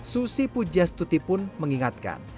susi pujastuti pun mengingatkan